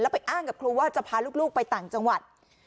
ไปอ้างกับครูว่าจะพาลูกไปต่างจังหวัด